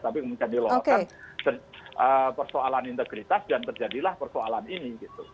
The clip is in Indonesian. tapi mungkin diloloskan persoalan integritas dan terjadilah persoalan ini